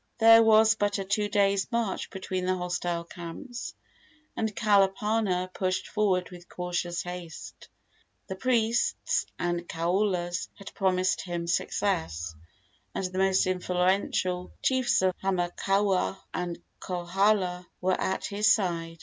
There was but a two days' march between the hostile camps, and Kalapana pushed forward with cautious haste. The priests and kaulas had promised him success, and the most influential chiefs of Hamakua and Kohala were at his side.